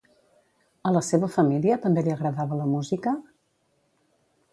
A la seva família també li agradava la música?